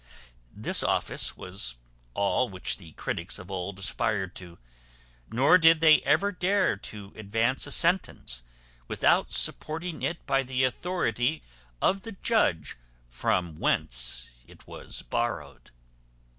This office was all which the critics of old aspired to; nor did they ever dare to advance a sentence, without supporting it by the authority of the judge from whence it was borrowed.